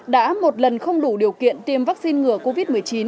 đã một lần không đủ điều kiện tiêm vaccine ngừa covid một mươi chín